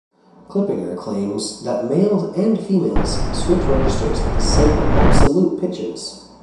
Clippinger claims that males and females switch registers at the same absolute pitches.